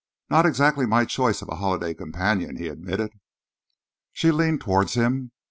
"Not exactly my choice of a holiday companion," he admitted. She leaned towards him.